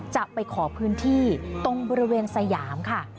จะไปขอพื้นที่ตรงบริเวณสยามค่ะ